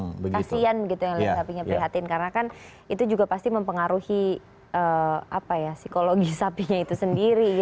kasian gitu yang sapinya prihatin karena kan itu juga pasti mempengaruhi psikologi sapinya itu sendiri